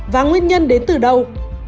và nguyên nhân đến từ đâu